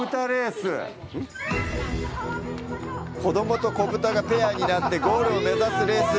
子供と子豚がペアになってゴールを目指すレース。